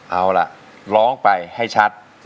เอาล่ะร้องไปให้ชัด